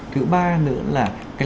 thứ ba nữa là